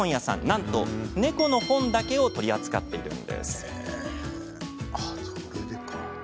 なんと猫の本だけを取り扱っているんです。